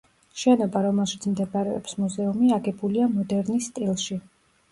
შენობა, რომელშიც მდებარეობს მუზეუმი, აგებულია მოდერნის სტილში.